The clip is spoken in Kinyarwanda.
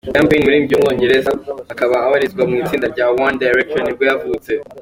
Liam Payne, umuririmbyi w’umwongereza, akaba abarizwa mu itsinda rya One Direction nibwo yavutse.